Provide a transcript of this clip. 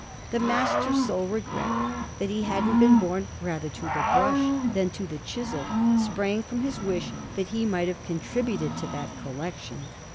The Master's sole regret that he hadn't been born rather to the brush than to the chisel sprang from his wish that he might have contributed to that collection.